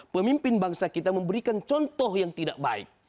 pemimpin bangsa kita memberikan contoh yang tidak baik